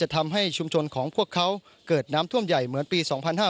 ทำให้ชุมชนของพวกเขาเกิดน้ำท่วมใหญ่เหมือนปี๒๕๕๙